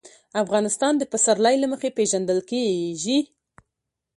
افغانستان د پسرلی له مخې پېژندل کېږي.